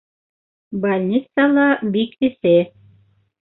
Больницала бик эҫе.